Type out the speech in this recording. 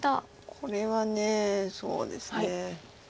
これはそうですね。